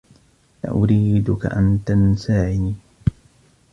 لا أريدك أن تنساني.